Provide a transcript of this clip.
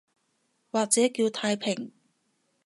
或者叫太平